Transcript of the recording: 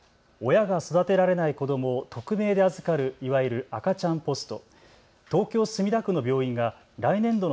親が育てられない子どもを匿名で預かる、いわゆる赤ちゃんポスト。